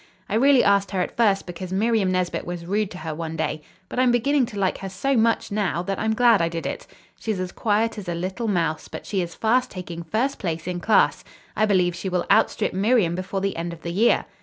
I really asked her at first because Miriam Nesbit was rude to her one day. But I'm beginning to like her so much, now, that I'm glad I did it. She's as quiet as a little mouse, but she is fast taking first place in class. I believe she will outstrip Miriam before the end of the year.